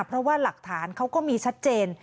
เพราะว่าหลักฐานเขาก็มีชัดเจน